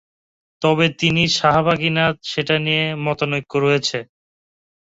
তবে তিনি সাহাবা কিনা সেটা নিয়ে মতানৈক্য রয়েছে।